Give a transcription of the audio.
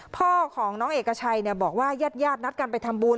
พ่อของน้องเอกชัยบอกว่าญาตินัดกันไปทำบุญ